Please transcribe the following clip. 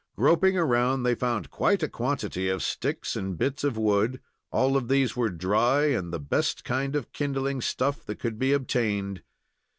Groping around, they found quite a quantity of sticks and bits of wood. All of these were dry, and the best kind of kindling stuff that could be obtained.